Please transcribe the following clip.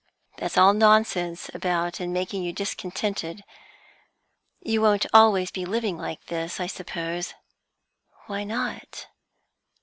That's all nonsense about in making you discontented. You won't always be living like this, I suppose." "Why not?"